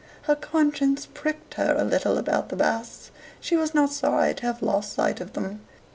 Her conscience pricked her a little about the Basts; she was not sorry to have lost sight of them.